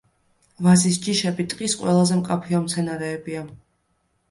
ვაზის ჯიშები ტყის ყველაზე მკაფიო მცენარეებია.